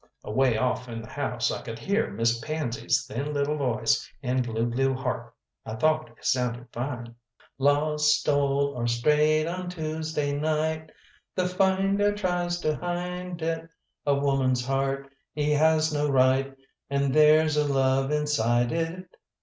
Away off in the house I could hear Miss Pansy's thin little voice and glue glue harp; I thought it sounded fine. "Lost, stole, or strayed on Tuesday night, The finder tries to hide it A woman's heart he has no right, For there's a Love inside it.